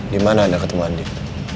di mana anda ketemu andi